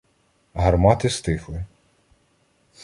Гармати стихли.